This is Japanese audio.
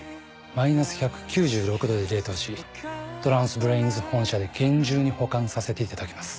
マイナス１９６℃で冷凍しトランスブレインズ本社で厳重に保管させていただきます。